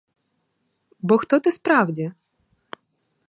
Бо хто ти справді?